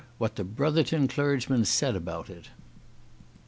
WHAT THE BROTHERTON CLERGYMEN SAID ABOUT IT.